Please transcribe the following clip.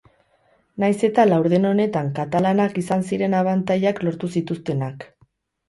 Nahiz eta laurden honetan katalanak izan ziren abantailak lortu zituztenak.